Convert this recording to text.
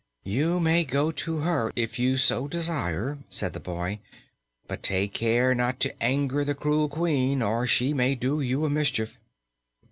"You may go to her, if you so desire," said the boy, "but take care not to anger the cruel Queen, or she may do you a mischief."